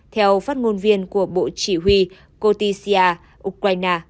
theo phát ngôn viên của bộ chỉ huy cotisia ukraine